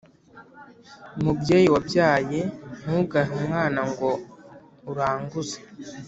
Mubyeyi wabyaye, ntugahe umwana ngo uranguze”.